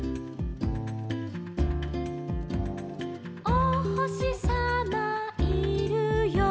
「おほしさまいるよ」